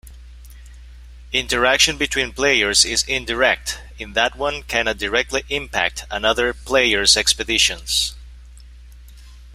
Interaction between players is indirect, in that one cannot directly impact another player's expeditions.